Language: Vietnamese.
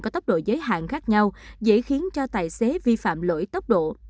có tốc độ giới hạn khác nhau dễ khiến cho tài xế vi phạm lỗi tốc độ